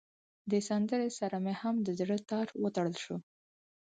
دې سندره سره مې هم د زړه تار وتړل شو.